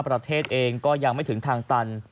ประเทศเองก็ยังไม่ถึงทางตัน